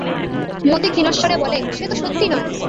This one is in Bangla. মতি ক্ষীণস্বরে বলে, সে তো সত্যি নয়।